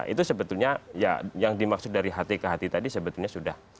itu sebetulnya ya yang dimaksud dari hati ke hati tadi sebetulnya sudah